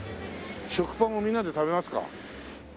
食パンをみんなで食べますか。